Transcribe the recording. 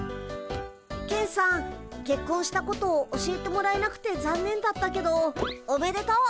ケンさんけっこんしたこと教えてもらえなくてざんねんだったけどおめでとう。